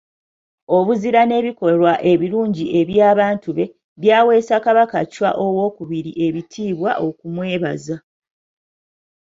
Obuzira n'ebikolwa ebirungi eby'abantu be, byaweesa Kabaka Chwa II ebitiibwa okumwebaza.